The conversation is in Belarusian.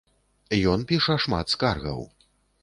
Ён піша шмат скаргаў.